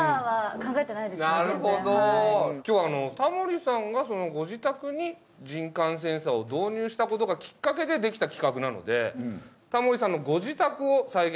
今日はタモリさんがご自宅に人感センサーを導入した事がきっかけでできた企画なのでタモリさんのご自宅を再現させて頂きました。